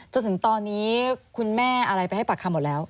จนถึงตอนนี้คุณแม่อะไรไปให้ปากคำหมดแล้ว